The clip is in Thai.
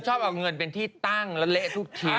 ชอบเอาเงินเป็นที่ตั้งและเละทุกที